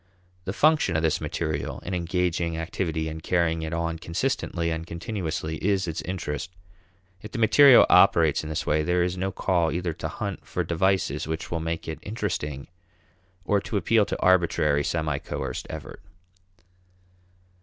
The function of this material in engaging activity and carrying it on consistently and continuously is its interest. If the material operates in this way, there is no call either to hunt for devices which will make it interesting or to appeal to arbitrary, semi coerced effort.